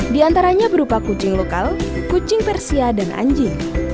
di antaranya berupa kucing lokal kucing persia dan anjing